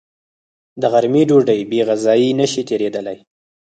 د غرمې ډوډۍ بېغذايي نشي تېرېدلی